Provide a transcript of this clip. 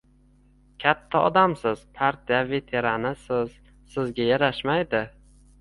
katta odamsiz, partiya veteranisiz. Sizga yarashmaydi.